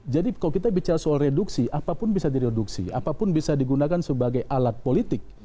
jadi kalau kita bicara soal reduksi apapun bisa direduksi apapun bisa digunakan sebagai alat politik